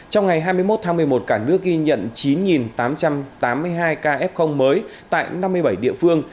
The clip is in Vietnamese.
trong ngày hai mươi một tháng một mươi một cả nước ghi nhận chín tám trăm tám mươi hai ca f mới tại năm mươi bảy địa phương